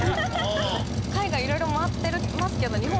海外いろいろ回ってますけど日本